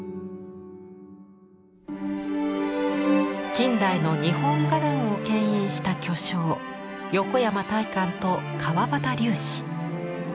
近代の日本画壇を牽引した巨匠横山大観と川端龍子。